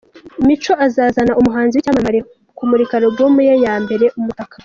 Mico azazana umuhanzi wicyamamare mu kumurika alubumuye ya mbere “Umutaka”